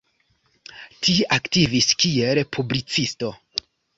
Tie aktivis kiel publicisto.